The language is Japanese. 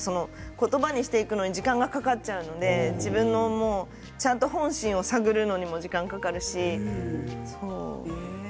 言葉にしていくのに時間がかかるので自分の本心を探るのにも時間がかかるし。